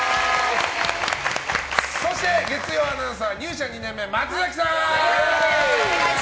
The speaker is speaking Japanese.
そして、月曜アナウンサー入社２年目、松崎さん。